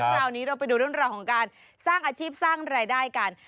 คราวนี้เราไปดูเรื่องราวของการสร้างอาชีพสร้างรายได้กัน